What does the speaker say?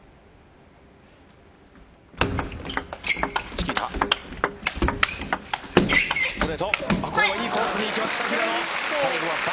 チキータ。